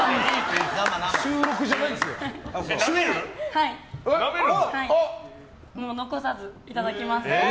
はい、残さずいただきます。